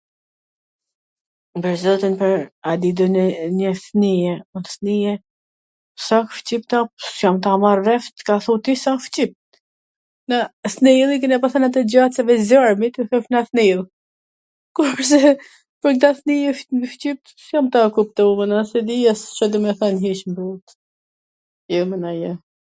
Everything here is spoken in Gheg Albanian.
pwr zotin, pwr at dit un e njof mir, s asht shqip kta, s jam ta marr vesh Ca thu ti se asht shqip, se ne i kena pas than ato gjanat si me zjarr, ... kurse nw shqip s jam tu e kuptu mana, as e dija Ca do me than kjo qw m pyt, jo mana jo.